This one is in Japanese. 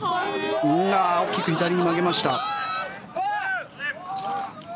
大きく左に曲げました。